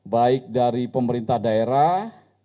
baik dari pemerintah daerah